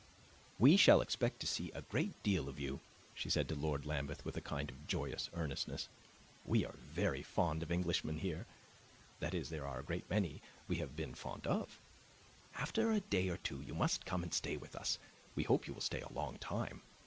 "We shall expect to see a great deal of you," she said to Lord Lambeth with a kind of joyous earnestness. "We are very fond of Englishmen here; that is, there are a great many we have been fond of. After a day or two you must come and stay with us; we hope you will stay a long time.